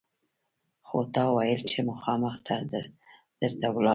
خو تا ویل چې مخامخ در ته ولاړ دی!